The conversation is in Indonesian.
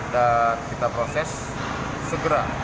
dan kita proses segera